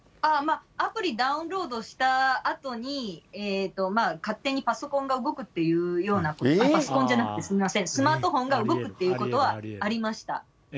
アプリダウンロードしたあとに、勝手にパソコンが動くっていうことが、パソコンじゃなくて、すみません、スマートフォンが動くっていうことはありました。